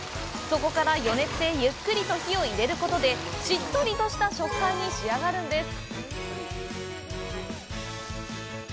そこから余熱でゆっくりと火を入れることでしっとりとした食感に仕上がるんです。